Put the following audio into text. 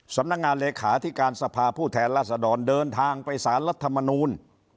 สำนักงานเลขาที่การสภาผู้แทนราษดรเดินทางไปสารรัฐมนูล